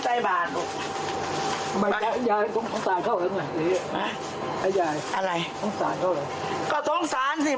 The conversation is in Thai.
ถ้าคนนั้นมันไม่นี่มันไม่เอาของแค่นี้น่ะ